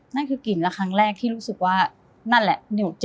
นั่นคือกลิ่นละครั้งแรกที่รู้สึกว่านั่นแหละ